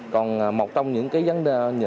còn một trong những cái vấn đề